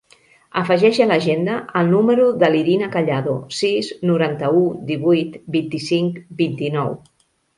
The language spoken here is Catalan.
Afegeix a l'agenda el número de l'Irina Callado: sis, noranta-u, divuit, vint-i-cinc, vint-i-nou.